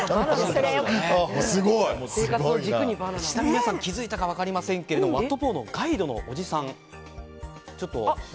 皆さん気づいたか分かりませんがワット・ポーのガイドのおじさん。